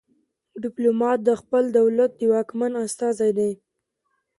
ډیپلومات د خپل دولت د واکمن استازی دی